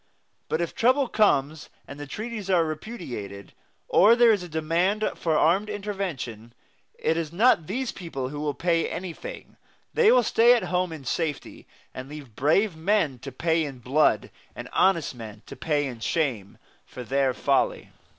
But if trouble comes and the treaties are repudiated, or there is a demand for armed intervention, it is not these people who will pay anything; they will stay at home in safety, and leave brave men to pay in blood, and honest men to pay in shame, for their folly.